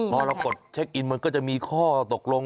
พอเรากดเช็คอินมันก็จะมีข้อตกลง